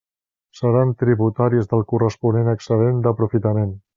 Seran tributaris del corresponent excedent d'aprofitament.